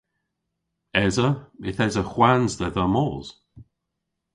Esa. Yth esa hwans dhedha mos.